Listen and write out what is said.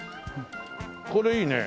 これいいね。